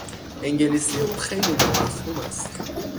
انگلیسی او خیلی نامفهوم است.